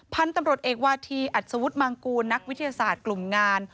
พันธุ์ตำรวจเอกวาธีอัศวุฒิมังกูลนักวิทยาศาสตร์กลุ่มงาน